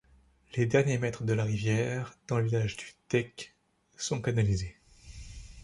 Les derniers mètres de la rivière, dans le village du Tech, sont canalisés.